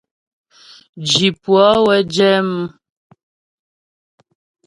Zhi pʉə́ə wə́ jɛ mʉ.